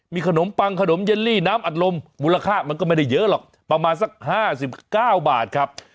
มีขนมปังขนมเย็นลี่น้ำอัดลมมูลค่ามันก็ไม่ได้เยอะหรอกประมาณสัก๕๙บาทครับ